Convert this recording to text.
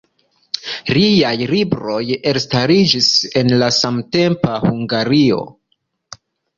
Liaj libroj elstariĝis en la samtempa Hungario.